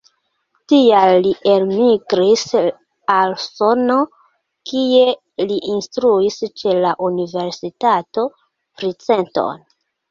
Tial li elmigris al Usono, kie li instruis ĉe la universitato Princeton.